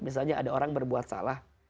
misalnya ada orang berbuat salah